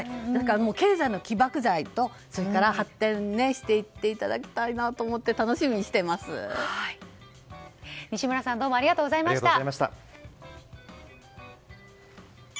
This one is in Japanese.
経済の起爆剤と発展していっていただきたいと思って西村さんどうもありがとうございました。